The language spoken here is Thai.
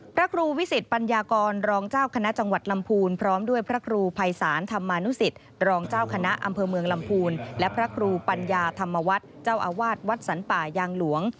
พระครูวิสิตปัญญากรรองเจ้าคณะจังหวัดลำพูนพร้อมด้วยพระครูภัยศาลธรรมานุสิตรองเจ้าคณะอำเภอเมืองลำพูนและพระครูปัญญาธรรมวัฒน์เจ้าอาวาสวัดสรรป่ายางหลวง